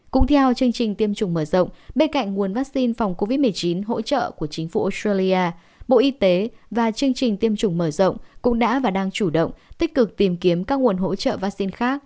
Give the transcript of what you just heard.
cũng theo chương trình tiêm chủng mở rộng bên cạnh nguồn vaccine phòng covid một mươi chín hỗ trợ của chính phủ australia bộ y tế và chương trình tiêm chủng mở rộng cũng đã và đang chủ động tích cực tìm kiếm các nguồn hỗ trợ vaccine khác